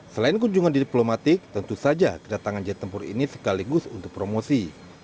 selain kunjungan di diplomatik tentu saja kedatangan jet tempur ini sekaligus untuk promosi